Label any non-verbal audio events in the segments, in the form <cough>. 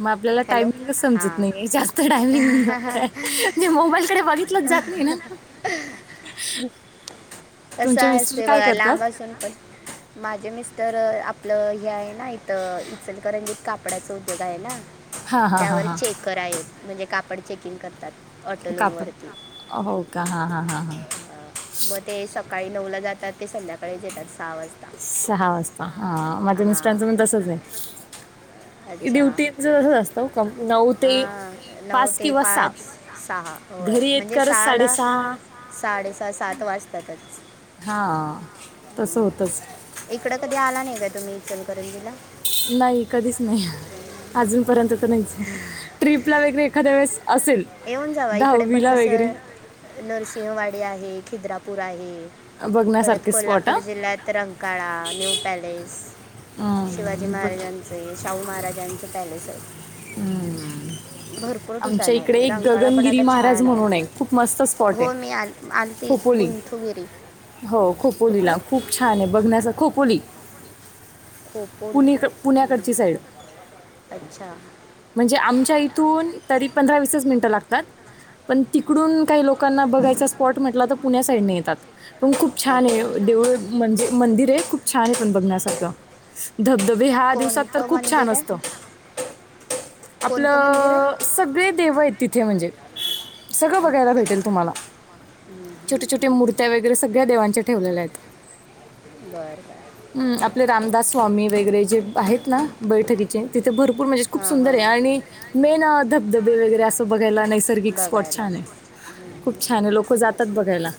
मग आपल्याला हॅलो टायमिंगच समजत हां नाही जास्त टायमिंग होऊन जात आहे म्हणजे मोबाईलकडे बघितलंच जात नाही ना. <inaudible> कसं आहेस मिस्टर ते काय बघा करतात लांब <unintelligible> पण. माझे मिस्टर आपलं हे आहे ना इथं इचलकरंजीत कापडाचा उद्योग आहे ना हां हां हां त्यावर हां चेक आहेत म्हणजे कापड चेकिंग करतात ऑटो लूम कापड वरती. हो का? हा, हा, हा, हा. मग ते सकाळी नऊ ला जातात ते संध्याकाळी सहा वाजता हा माझ्या हां मिस्टरांचं पण तसच आहे. अच्छा ड्युटीच <unintelligible> नऊ ते हां नऊ पाच ते किंवा सहा. पाच सहा होय घरी येत म्हणजे करत सहाला साडेसहा. साडेसहा सात वाजतातच. हा, तसं होतच. इकड कधी आला नाही काय तुम्ही इचलकरंजीला? नाही कधीच नाही अजूनपर्यंत तर नाहीच नाही. ट्रीपला वगैरे एखाद्या वेळेस असेल येऊन जावा इकडे पण दहावीला वगैरे कसं नरसिंहवाडी आहे. खिद्रापूर आहे. परत बघण्यासारखे स्पॉट हा कोल्हापूर जिल्ह्यात रंकाळा, न्यू पॅलेस, शिवाजी हम्म, बघ महाराजा शाहू महाराजांच पॅलेस आहे. भरपूर आमच्या ठिकाण आहे. इकडे एक रंकाळा पण गगनगिरी आता महाराज छान म्हणून खूप मस्त स्पॉट आहे हो आहे मी आणती खोपोली कुंथुगिरी हो खोपोलीला कुठलं खूप <unintelligible> बघण्यास खोकोली खोपोली पुणे पुण्याकडची नाही. साईड. अच्छा. म्हणजे आमच्या इथून तरी पंधरा वीसच मिनिटं लागतात. पण तिकडून काही लोकांना बघायचा स्पॉट म्हटला तर पुण्या साईडने येतात. पण खूप छान अच्छा आहे देऊळ म्हणजे मंदिर आहे खूप छान आहे पण बघण्यासारखं. धबधबे हा दिवसात तर कोणतं खूप छान मंदिर असत. आहे कोणतं मंदिर आपलं आहे सगळे देव आहेत तिथे म्हणजे. सगळं बघायला भेटेल तुम्हाला. हम. छोट्या मुर्त्या वगैरे सगळ्या देवांच्या ठेवलेल्यायेत. बर, बर. हम, आपले रामदास स्वामी वगैरे जे आहेत ना बैठकीचे तिथे भरपूर म्हणजे खूप हां सुंदर आहे, हां आणि मेन धबधबे वगैरे असं बघायला नाहीस नैसर्गिक स्पॉट बघायला छान आहे, खूप छान आहे लोक जातात बघायला.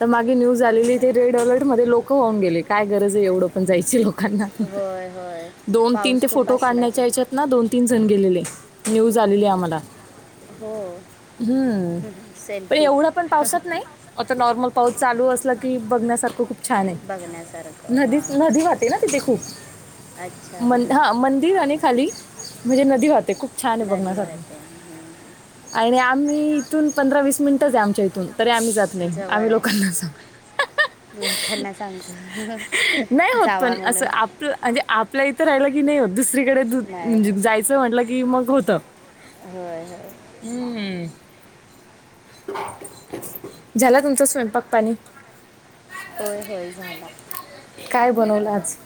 तर मागे न्यूज आलेली ते रेड अलर्ट मध्ये लोक वाहुन गेले काय गरज आहे, एवढं पण जायची लोकांना. होय होय, दोन तीन पाऊस ते खूप फोटो असला काढण्याच्या की. याच्यात ना दोन तीन जण गेलेले, न्यूज आलेली आम्हाला. हो, हम्म. पण सेल्फी एवढा पण पावसात नाही आता नॉर्मल पाऊस चालू असला की, बघण्यासारखं खूप छान आहे, बघण्यासारखं नदी हां नदी वाहते ना तिथे खूप. अच्छा मंद- हा मंदिर आणि खाली म्हणजे नदी वाहते, खूप छान आहे बघण्या नदी सारखं. वाहते हम्म. <unintelligible> आणि आम्ही इथून पंधरा वीस मिनिटंच आहे, आमच्या इथून तरी आम्ही जात नाही जवळ आम्ही आहे लोकांना सांगतो. लोकांना सांगत नाही होत जावा पण असं म्हणून आपलं म्हणजे आपल्या इथं राहिलं की नाही, दुसरीकडे नाही म्हणजे होय जायचं म्हटलं की मग होत. होय होय. हम्म, झाला तुमचा स्वयंपाक पाणी? होय होय, झाला. काय बनवलं आज?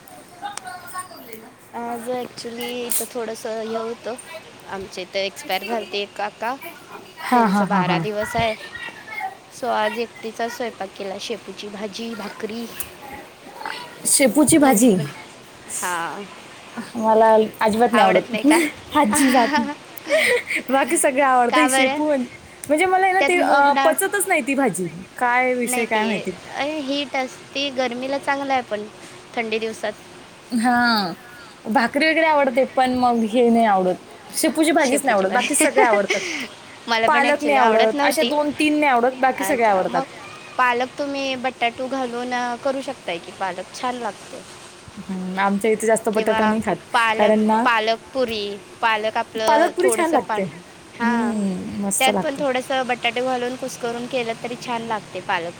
<unintelligible> दाखवलयं ना. आज ऍक्च्युली इथं थोडस हे होतं. आमचे इथं एक्सपायर झालते, एक काका हा त्यांच हा हा बारा हा. दिवस आहे. सो आज एकटीचा स्वयंपाक केला, शेपूची भाजी, भाकरी शेपू म तिकडे हा. मला अजिबात नाही, आवडत अजिबात. बाकी सगळे आवडतं, का हि बरं शेपू म्हणजे मला आहे ना त्यात ते मूग डाळ पचतच नाही ती भाजी. काय विषय नाही ती काय माहिती. अ हीट असते गर्मीला चांगला आहे, पण थंडी दिवसात. हा भाकरी वगैरे आवडते, पण मग हे नाही आवडतं. शेपूची भाजीच नाही आवडत, बाकी सगळे आवडतात मला पण पालक ॲक्च्युली नाही आवडत असे नव्हती दोन तीन नाही आवडत, बाकी सगळे अच्छा आवडतात. मग पालक तुम्ही बटाटू घालून करू शकताय कि, पालक छान लागतयं. हं, आमच्या इथे जास्त किंवा बटाटा नाही खात. पालक कारण ना पालक पुरी पालक आपलं पालकपुरी छान थोडस लागते. पान हा हं, मस्त त्यात पण लागते. थोडं बटाटे घालून कुस्करून केलं तरी, छान लागतयं पालक.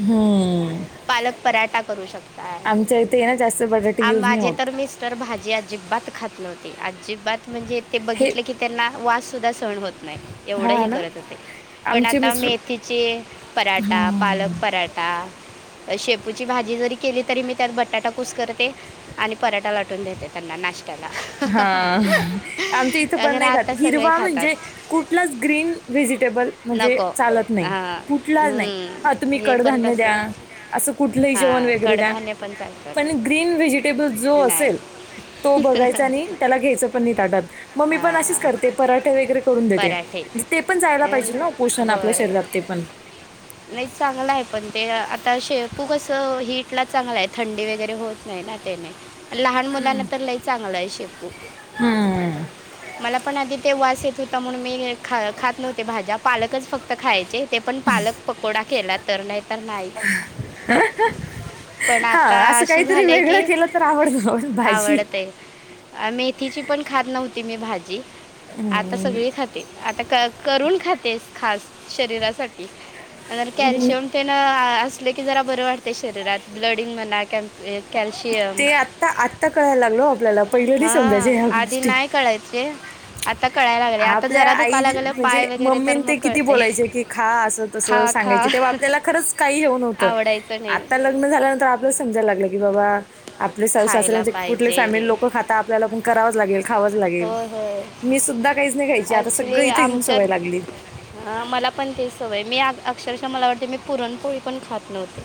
हम्म, पालक पराठा करू शकताय, इथे आहे ना जास्त बटाटे यूज नाही माझे तर होत. मिस्ट तर भाजी अजिबात खात नव्हते, अजिबात म्हणजे ते हे बघितलं की त्यांना वास सुद्धा सहण होत नाही एवढं हां हे ना, करत होते. पण आमचे आता मिस्टर मेथीचे पराठा पालक हां. पराठा शेपूची भाजी जरी केली तरी, मी त्यात बटाटा कुस्करते. आणि पराठा लाटून देते, त्यांना नाश्त्याला. हां. आमच्या इथं पण वगैरे नाही, खात आता सगळे हिरवा खातात म्हणजे कुठलाच ग्रीन व्हेजिटेबल म्हणजे नको चालत नाही. हां कुठला नाही हम्म. हा, तुम्ही हे पण कडधान्य द्या तसेच असं कुठलंही जेवण हां वगैरे द्या. कडधान्य पण खायचं. पण ग्रीन व्हेजिटेबल जो असेल तो बघायचा आणि त्याला घ्यायचं पण नाही, ताटात मग मी पण अशीच अं, करते पराठे वगैरे करून देते. पराठे ते पण जायला पाहिजे अन् ना उपोषण आपल्या होय शेजार ते पण. नाही चांगला आहे पण ते आता शेपू कसं हीट ला चांगलं आहे थंडी वगैरे होत नाही ना तेने, लहान मुलांना तर लई चांगलं आहे शेपू. हम्म, मला पण आधी ते वास येत होता, म्हणून मी खात नव्हते भाज्या पालकच फक्त खायचे. ते पण पालक पकोडा केला तर, नाही तर नाही. पण आता हां, असं अशी काहीतरी झालेय वेगळं की, केलं तर आवडतं. भाजी आवडतय. अ मेथीची पण खात नव्हती मी भाजी. आता अं, सगळी खाते आता करून खाते खास शरीरासाठी. कॅल्शियम तेन असले की जरा बरे वाटते शरीरात ब्लडिंग म्हणा क <unintelligible> कॅल ते आता आत्ता कळायला लागलो आपल्याला पहिलं नाही समजायच हां ह्या आधी गोष्टी. नाही कळायचे. आता कळायला लागले आता आपल्या जरा आई दुखायला लागलं म्हणजे पाय वगैरे मम्मी तर मग ते किती कळते बोलायचे कि खा असं. तस खा खा सांगायची तेव्हा आपल्याला खरंच काही हे नव्हतं, आवडायचं नाही आता ल लग्न झाल्यांतर आपल्याला समजा लागलं की बाबा आपले सासु सासरे खायला म्हणजे कुठली फॅमिली पाहिजे लोकं खाता आपल्याला पण करावच लागेल खावंच लागेल. होय होय मी सुद्धा काहीच नाही खायची आता सगळी इथं येेऊन सवय लागली. ह मला पण ते सवय मी अक्षरशः मला वाटते मी पुरणपोळी पण खात नव्हतो.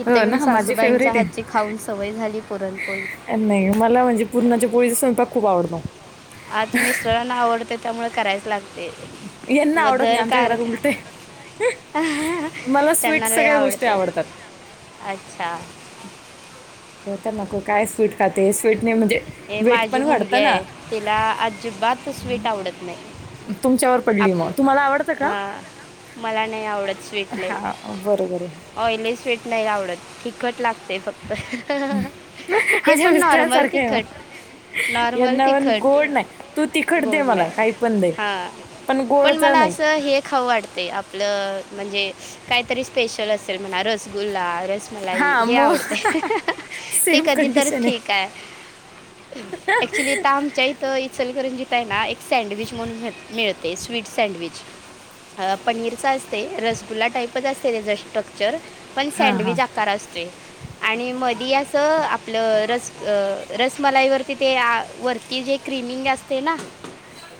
इथ हो येऊन ना माझी सासूबाईंच्या फेवरेट हातची आहे खाऊन सवय झाली पुरणपोळी. नाही मला म्हणजे पूर्णाच्या पोळीचा स्वयंपाक खूप आवडतो. आता मिस्तरानां आवडते त्यामुळे करायच लागते. यांना मग आवडत नाही दर आमच्या कार घरात उलटे. मला स्वीट त्यांना लय सगळ्या गोष्टी आवडते आवडतात. अच्छा. खेवता नको काय स्वीट खाते स्वीटने म्हणजे हे वेट माझी पण मुलगी वाढतं ना. आहे तिला अजिबात स्वीट आवडत नाही. तुमच्यावर पडली मग, आपलं तुम्हाला आवडतं का? अं, मला नाही आवडत. स्वीट लई हां बरोबर आहे. ऑइली स्वीट नाही आवडत तिखट लागत. ते फक्त, ते माझ्या पण नॉर्मल मिस्टरांसारखं आहे तिखट. मग नॉर्मल यांना पण तिखट, गोड नाही तू तिखट दे गोड मला नाय, काही पण दे. हा. पण गोडचं मला नाही. असं हे खाऊ वाटतेय आपलं म्हणजे काहीतरी स्पेशल असेल म्हणा रसगुला, रसमलाई हां हे मग आवडत, ते सेम कधी तर कंडिशन ठीक आहे. एक्चुली इथ आमच्या इचलकरंजीत हाय ना एक सँडविच म्हणून मिळते स्वीट सँडविच अ पनीरचा असते रसगुल्ला टाईपच असते ती स्टफ <unintelligible> पण हां, हां. सँडविच आकार असतोय. आणि मधी असं आपलं रस रसमलाई वरती ते वरती जे क्र्रीमिंग असते ना,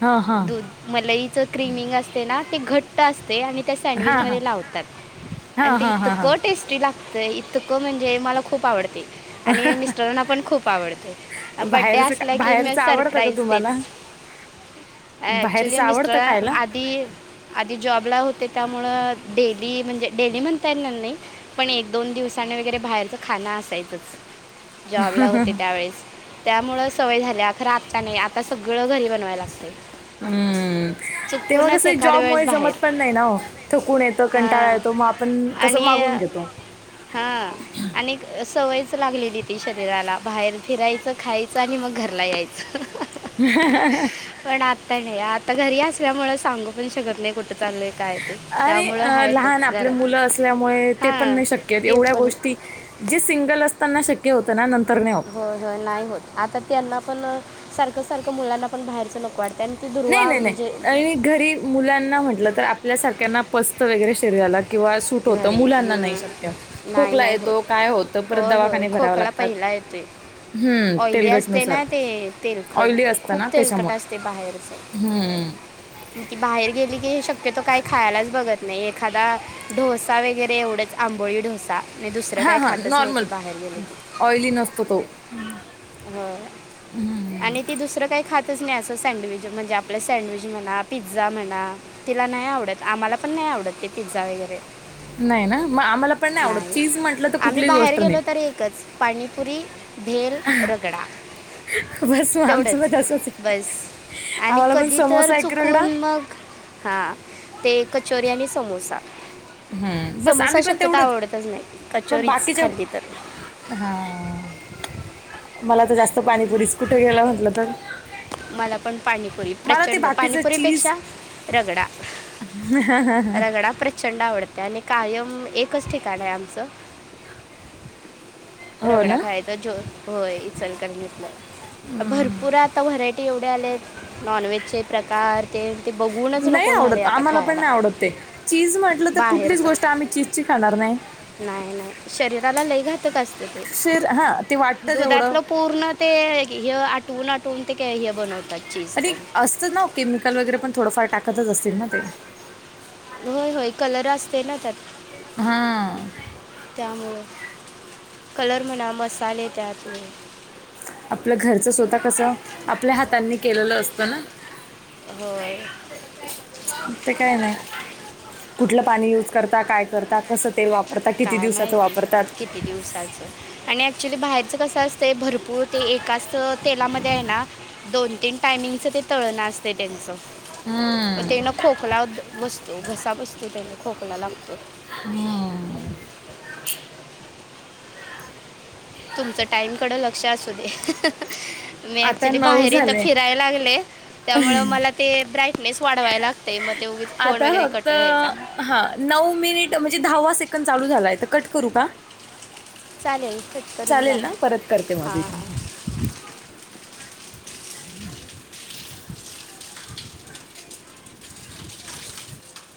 हां, हां. दूध मलईच क्र्रीमिंग असते ना ते घट्ट असते आणि त्या सँडविच हां, हां. मध्ये लावतात आणि हां, ते हां, हां, हां. इतकं टेस्टी ला तर इतकं म्हणजे मला खूप आवडते आणि मिस्टरना पण खूप खूप आवडते, बड्डे बाहेरचं का- असला की मी बाहेरचं आवडतं का सरप्राईज तेच. तुम्हाला? ऍक्चुली बाहेरचं मिस्टर आवडतं खायला? आधी आधी जॉब ला होते त्यामुळं डेली म्हणजे डेली म्हणता येणार नाही पण एक दोन दिवसाने वगैरे बाहेरच खाण असायचच. जॉब ला होते त्यावेेळेस त्यामुळे सवय झाल्या. खरा आत्ता नाही आता सगळं घरी बनवाय लागतंय. हम्म. तेव्हा कसं वेळेस जॉबमुळे बाहेर जमत पण नाही ना ओ, थकून येतं कंटाळा हां येतो मग आपण कसं मागून घेतो. तो हा आणि सवयच लागलेली ती शरीराला बाहेर फिरायचं खायचं आणि मग घरला यायचं ह पण आता नाही आता घरी असल्यामुळे सांगू पण शकत नाही कुठ अरे अ लहान आपले घरात मुलं असल्यामुळे ते पण हां नाही शक्यत ते एवढ्या पण गोष्टी जे सिंगल असताना शक्य होतं ना नंतर होत हो हो नाही होत आता त्यांना पण सारखं सारखं मुलांना पण बाहेरचं नको वाटतें आणि ती नाही दुर्वा नाही म्हणजे नाही घरी मुलांना म्हटलं तर आपल्या सारख्यांना पस्त वगरे शरीला किंवा होत घरी मुलांना नाही शक्य हम्म. नाही खोकला नाही येतो काय होत परत होय होय दवाखाने भराव खोकला लागतात पहिला येतोय हम्म ऑइली असते तेलगटनुसार ना ते ऑइली असतं ना त्याच्यामुळे ते बाहेरचं हम् कि बाहेर गेली की हे शक्यतो काही खायलाच बघत नाही एखादा ढोसा वगैरे एवढंच आंबोळी ढोसा नाही दुसरं हां काही हां खातच नाही ते नॉर्मल बाहेर गेले की ऑइली नसतो तो हो आणि ती दुसरं काही खातच नाही असं सँडविच म्हणजे आपलं सँडविच म्हणा पिझ्झा म्हणा तिला नाही आवडत आम्हाला पण नाही आवडत ते पिझ्झा वगैरे नाही ना मग आम्हाला पण आवडत नाही चीज म्हटलं तर आम्ही कुठलीच बाहेर गोष्ट गेलो नाही तररी एकच पाणीपुरी भेल रगडा बस म आमस मज अस तेवढंच बस आणि कधी तर चुकून मग हा ते कचोरी आणि समोसा हम्म, बस समस्या आम्ही पण शक्यता तेवढंच आवडतच नाही कचोरीच खाल्ली तर हा मला तर जास्त पाणीपुरीच कुठे गेला म्हंटलं तर मला पण पाणीपुरी मला ते प्रचंड बाकीचं पाणीपुरीपेक्षा रगडा हा हा हा ंड आवडते आणि कायम एकच ठिकाण आहे आमचं हो रगडा ना खायचा जो होय इचल कर घितलं भरपूर आता व्हरायटी एवढी कडे आले नॉनवहेजचे प्रकार ते ते ब नाही आवडत आम्हाला पण नाही आवडतते चीज म्हटलं तर कुठलीच बाहेरचं गोष्ट आम्ही चीज क खाणार नाही नाही नाही शरीराला लयघातक असतं ते र हा ते वाटतं तेवढं दुधातलं पूर्ण ते हे आटवून आठवून ते हे बनवतात चीज अ तर असतं ना केमिकल वगैरे पण थोडंफार टाकतच असतील ना ते होय होय कलर असते ना त्यात हां त्यामुळं कलर म्हणा मसाले त्यातमुळे आपलं घरचं स्वतः कसं आपल्या हातांनी केलेलं असतं ना. होय. ते काय नाही कुठलं पाणी यूज करता काय करता कसं तेल वापर आता किती दिवसाचा वापरतात. कि दिवसाचं आणि ऍक्च्युली बाहेरच कसं असतं भरपूर ते एकाच तेलामध्ये आहे ना दोन तीन टायमिंगच ते तळण असते त्यांचं. हम्म. तेना खोकला बसतो घसा बसतो त्याना खोकला लागतो. हा. <unintelligible> तुमचं टाईम कड लक्ष असू दे. मी आता ऍक्च्युली नऊ बाहेर इथं झाले फिरायला लागले त्यामु मला ते ब्राईटनेस वाढवाय लागतय म आता फक्त हा. नऊ मिनिट म्हणजे दहावा सेकंड चालू झालाय तर कट करू का? चालेल कट करून चालेल ना लावा परत करते मग हां हां रिटर्न